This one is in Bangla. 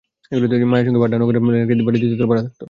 মায়ের সঙ্গে বাড্ডা নগর লেনের একটি বাড়ির দ্বিতীয় তলায় ভাড়া থাকত।